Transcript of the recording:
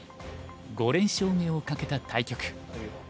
５連勝目をかけた対局。